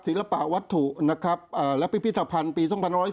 ศิลปะวัตถุและพิพิธภัณฑ์ปี๑๒๐๔